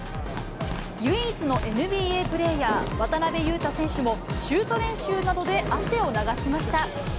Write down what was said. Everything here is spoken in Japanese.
唯一のＮＢＡプレーヤー、渡邊雄太選手もシュート練習などで汗を流しました。